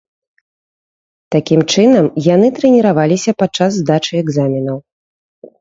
Такім чынам яны трэніраваліся падчас здачы экзаменаў.